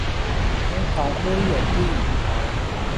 ٿُون ٿاڪوڙِي هتي۔